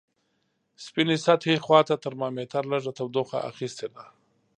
سپینې سطحې خواته ترمامتر لږه تودوخه اخستې ده.